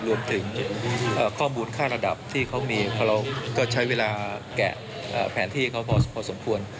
รวมถึงข้อมูลค่าระดับที่เขามีเราก็ใช้เวลาแกะแผนที่เขาพอสมควร